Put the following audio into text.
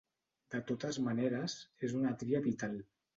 De totes maneres, és una tria vital.